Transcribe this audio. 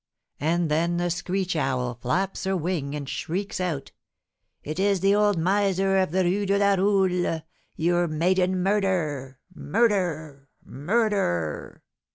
And then the screech owl flaps her wing, and shrieks out: "It is the old miser of the Rue de la Roule. Your maiden murder! murder! murder!"